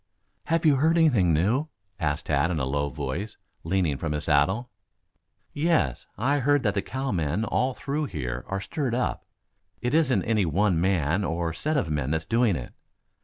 "Have you heard anything new?" asked Tad, in a low voice, leaning from his saddle. "Yes. I heard that the cowmen all through here are stirred up. It isn't any one man or set of men that's doing it.